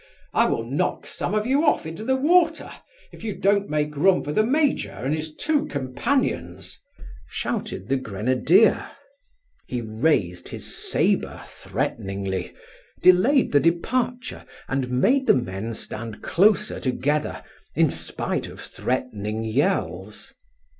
I will knock some of you off into the water if you don't make room for the major and his two companions," shouted the grenadier. He raised his sabre threateningly, delayed the departure, and made the men stand closer together, in spite of threatening yells.